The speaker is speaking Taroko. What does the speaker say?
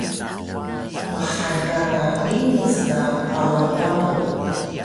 Maxal kana miric na Pawan Tado